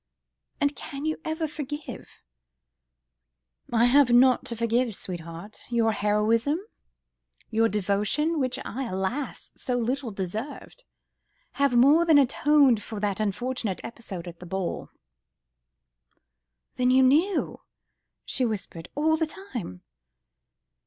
"And can you ever forgive?" "I have naught to forgive, sweetheart; your heroism, your devotion, which I, alas! so little deserved, have more than atoned for that unfortunate episode at the ball." "Then you knew? ..." she whispered, "all the time